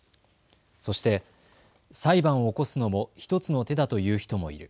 そして、裁判を起こすのも１つの手だと言う人もいる。